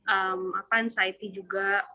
ehm apa anxiety juga